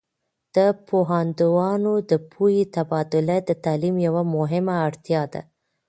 د پوهاندانو د پوهې تبادله د تعلیم یوه مهمه اړتیا ده.